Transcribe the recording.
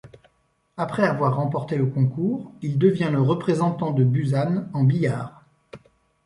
Après avoir remporté le concours, il devient le représentant de Busan en billard.